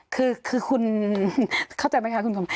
คือคุณเข้าใจไหมคะคุณสมภาพ